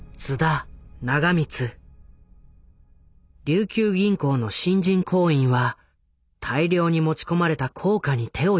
琉球銀行の新人行員は大量に持ち込まれた硬貨に手を焼いた。